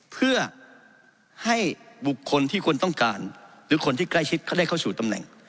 เพื่อให้บุคคลที่ควรต้องการหรือคนที่ใกล้ชิดเขาได้เข้าสู่ตำแหน่ง